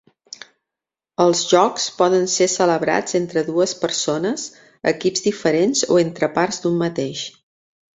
Els jocs poden ser celebrats entre dues persones, equips diferents o entre parts d'un mateix.